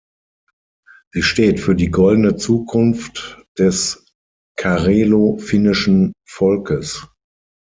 Sie steht für die goldene Zukunft des karelo-finnischen Volkes.